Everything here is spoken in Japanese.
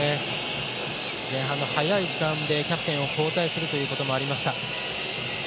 前半の早い時間でキャプテンを交代するということもありました。